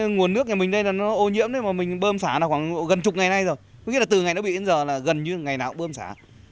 nguồn nước nhà mình đây nó ô nhiễm mình bơm xả gần chục ngày nay rồi từ ngày nó bị đến giờ là gần như ngày nào cũng bơm xả